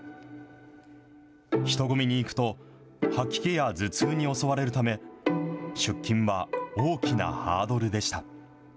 人混みに行くと吐き気や頭痛に襲われるため、出勤は大きなハードルでした。